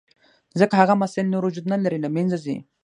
ځکه هغه مسایل نور وجود نه لري، له منځه ځي.